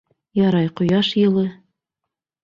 Ярай, ҡояш йылы.